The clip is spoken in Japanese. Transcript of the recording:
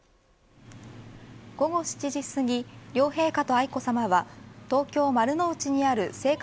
午後７時すぎ両陛下と愛子さまは東京丸の内にある静嘉